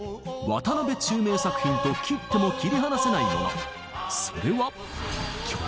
渡辺宙明作品と切っても切り離せないもの。